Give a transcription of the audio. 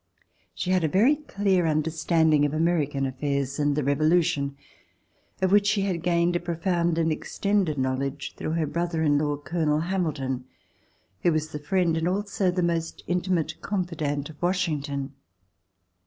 She had a very clear understanding of American affairs and the Revolution, of which she had gained a profound and extended knowledge through her brother in law. Colonel Hamilton, who was the friend and also the most intimate confidant of Washington.